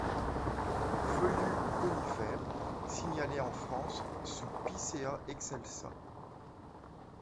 Feuillus ou conifères, signalé en France sous Picea excelsa.